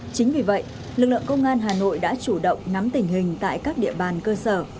chính vì vậy lực lượng công an hà nội đã chủ động nắm tình hình tại các địa bàn cơ sở